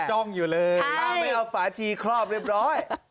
จ้องอยู่เลยถ้าไม่เอาฝาชีครอบเรียบร้อย